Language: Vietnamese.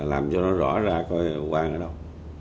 làm cho nó rõ ra coi quang ở đâu